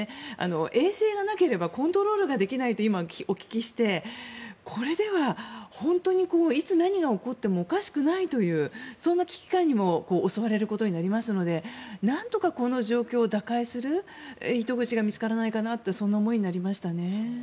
衛星がなければコントロールできないと今、お聞きして、これでは本当にいつ何が起こってもおかしくないというそんな危機感にも襲われることになりますのでなんとかこの状況を打開する糸口が見つからないかなとそんな思いになりましたね。